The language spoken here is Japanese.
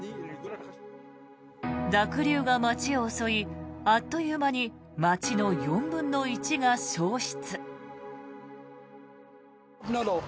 濁流が街を襲い、あっという間に街の４分の１が消失。